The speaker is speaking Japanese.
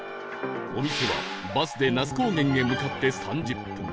お店はバスで那須高原へ向かって３０分